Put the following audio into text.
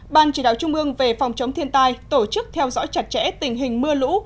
ban chỉ đạo trung ương về phòng chống thiên tai tổ chức theo dõi chặt chẽ tình hình mưa lũ